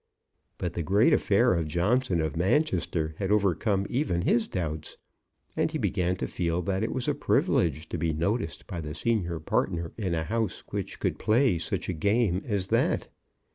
But the great affair of Johnson of Manchester had overcome even his doubts, and he began to feel that it was a privilege to be noticed by the senior partner in a house which could play such a game as that.